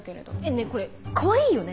ねぇこれかわいいよね？